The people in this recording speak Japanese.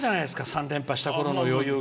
３連覇したころの余裕が。